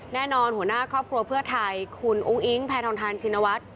แน่นอนหัวหน้าครอบครัวเพื่อไทยคุณอุ้งอิ๊งแพทองทานชินวัฒน์